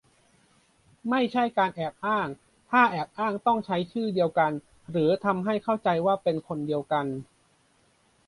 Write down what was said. ไม่ใช่การแอบอ้าง - ถ้าแอบอ้างต้องใช้ชื่อเดียวกันหรือทำให้เข้าใจว่าเป็นคนเดียวกัน